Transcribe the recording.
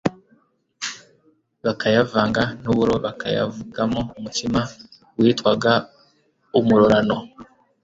bakayavanga n'uburo bakavugamo umutsima witwaga umurorano